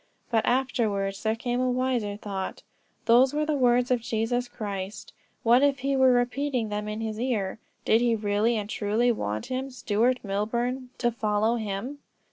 But afterwards there came a wiser thought; those were the words of Jesus Christ; what if he were repeating them in his ear. Did he really and truly want him, Stuart Milburn, to follow him?